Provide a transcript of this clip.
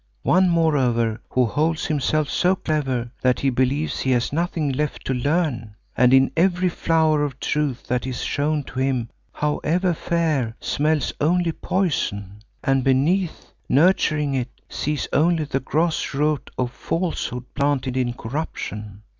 One, moreover, who holds himself so clever that he believes he has nothing left to learn, and in every flower of truth that is shown to him, however fair, smells only poison, and beneath, nurturing it, sees only the gross root of falsehood planted in corruption.